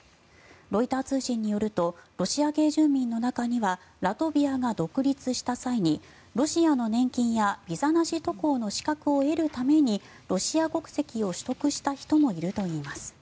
ロイター通信によるとロシア系住民の中にはラトビアが独立した際にロシアの年金やビザなし渡航の資格を得るためにロシア国籍を取得した人もいるといいます。